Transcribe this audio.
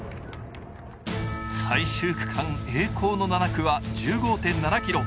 最終区間、栄光の７区は１５．５ｋｍ。